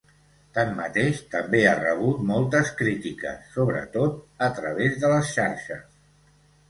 Tanmateix, també ha rebut moltes crítiques, sobretot a través de les xarxes.